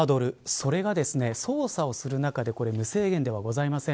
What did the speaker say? それが捜査をする中で無制限ではございません。